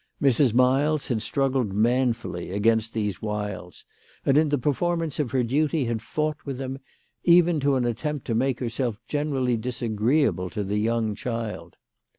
Mrs. Miles had struggled manfully against these wiles, and, in the performance of her duty, had fought with them, even to an attempt to make herself gene rally disagreeable to the young child.